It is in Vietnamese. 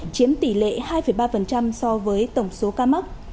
chiếm tỷ lệ hai ba so với tổng số ca mắc